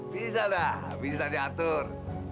bisa dah bisa diatur